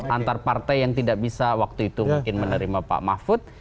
antar partai yang tidak bisa waktu itu mungkin menerima pak mahfud